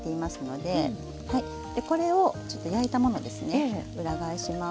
でこれをちょっと焼いたものですね裏返します。